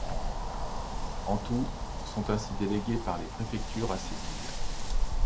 En tout, sont ainsi délégués par les préfectures à ces villes.